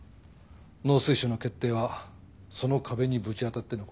農水省の決定はその壁にぶち当たってのことだ。